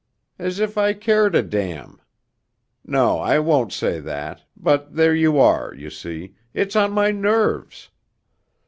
as if I cared a damn!... No, I won't say that ... but there you are, you see, it's on my nerves....